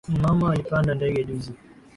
Mama alipanda ndege juzi